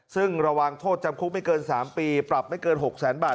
ซึ่งระวังโทษจำคุกไม่เกิน๓ปีปรับไม่เกิน๖แสนบาท